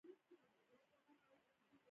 د میدان وردګو په چک کې د څه شي نښې دي؟